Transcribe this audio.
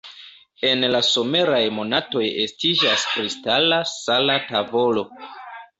En la someraj monatoj estiĝas kristala sala tavolo.